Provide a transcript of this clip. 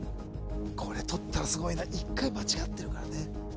これ取ったらすごいな１回間違ってるからね